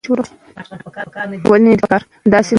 انځور د مصنوعي ځیرکتیا لخوا هم تحلیل شوی دی.